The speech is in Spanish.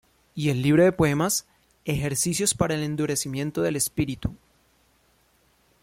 Y el libro de poemas "Ejercicios para el endurecimiento del espíritu".